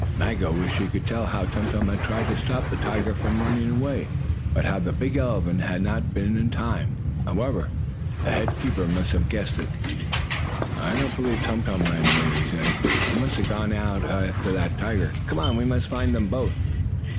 Maggo wished she could tell how Tum Tum had tried to stop the tiger from running away, but how the big elephant had not been in time. However, the head keeper must have guessed it. "I don't believe Tum Tum ran away," he said. "He must have gone out after the tiger. Come on, we must find them both."